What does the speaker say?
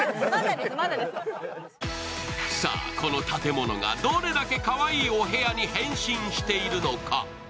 さあ、この建物がどれだけ、かわいいお部屋に変身しているのか。